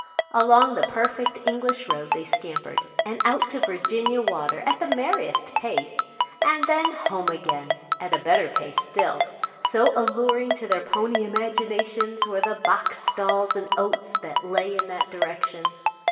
Along the perfect English road they scampered, and out to Virginia Water, at the merriest pace, and then home again at a better pace still, so alluring to their pony imaginations were the box stalls and oats that lay in that direction.